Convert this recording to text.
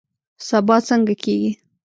سبا څنګه کیږي؟